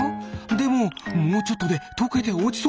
でももうちょっとでとけておちそう！